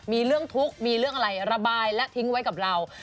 มีเรื่องทุกข์มีเรื่องอะไรระบายและทิ้งไว้กับเรา